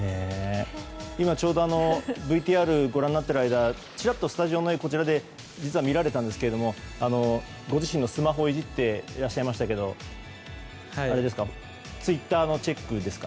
今ちょうど、ＶＴＲご覧になっている間ちらっとスタジオのほうで見られたんですけどもご自身のスマホをいじっていらっしゃいましたけどツイッターのチェックですか？